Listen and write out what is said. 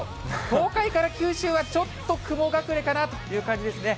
東海から九州は、ちょっと雲隠れかなという感じですね。